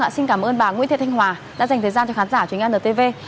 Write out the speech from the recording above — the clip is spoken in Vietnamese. xin cảm ơn bà nguyễn thị thanh hòa đã dành thời gian cho khán giả truyền antv